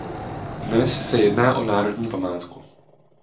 Dnes se jedná o národní památku.